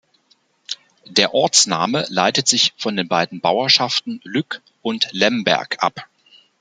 Der Ortsname leitet sich von den beiden Bauerschaften Lück und Lemberg ab.